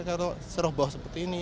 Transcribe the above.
kalau seruh bawa seperti ini